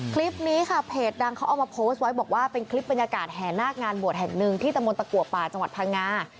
คลิปนี้ค่ะเพจดังเขาเอามาโพสต์ไว้บอกว่าเป็นคลิปบรรยากาศแห่นาคงานบวชแห่งหนึ่งที่ตะมนตะกัวป่าจังหวัดพังงา